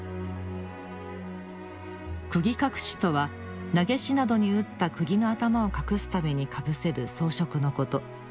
釘隠しとはなげしなどに打った釘の頭を隠すためにかぶせる装飾のこと。